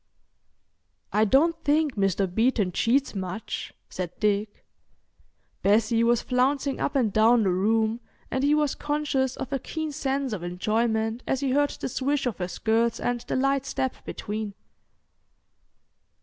"I don't think Mr. Beeton cheats much," said Dick. Bessie was flouncing up and down the room, and he was conscious of a keen sense of enjoyment as he heard the swish of her skirts and the light step between.